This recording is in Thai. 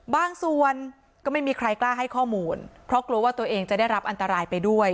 บางส่วนก็ไม่มีใครกล้าให้ข้อมูลเพราะกลัวว่าตัวเองจะได้รับอันตรายไปด้วย